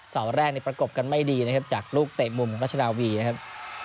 เสาแรกในประกบกันไม่ดีนะครับจากลูกเตะมุมรัชนาวีนะครับ